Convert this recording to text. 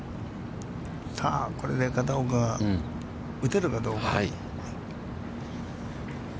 さあ、これで片岡、打てるかどうか。